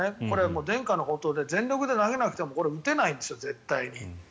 これは伝家の宝刀で全力で投げなくても打てないんですよ絶対に。